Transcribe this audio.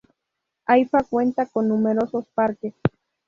Haifa cuenta con numerosos parques.